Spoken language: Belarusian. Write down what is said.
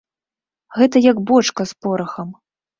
Гэта як бочка з порахам.